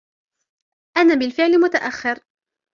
أنا بالفعل متأخر.